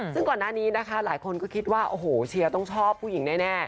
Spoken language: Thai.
ซึ่งก่อนหน้านี้นะคะหลายคนก็คิดว่าโอ้โหเชียร์ต้องชอบผู้หญิงแน่